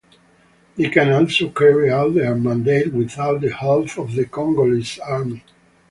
They can also carry out their mandate without the help of the Congolese Army.